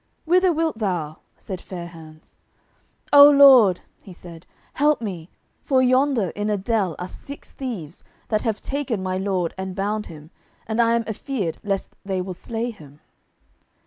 "Whither wilt thou?" said Fair hands. "O lord," he said, "help me, for yonder in a dell are six thieves that have taken my lord and bound him, and I am afeard lest they will slay him."